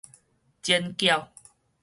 剪筊